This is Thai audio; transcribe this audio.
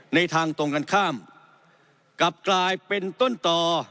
ในทางตรงกันข้ามกลับกลายเป็นต้นต่อ